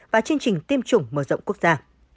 và chương trình tiêm chủng mở rộng quốc gia